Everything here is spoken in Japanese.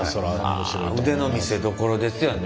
腕の見せどころですよね。